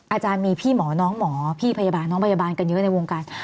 อาจารย์มีพี่หมอน้องหมอพี่พยาบาลน้องพยาบาลกันเยอะในวงการ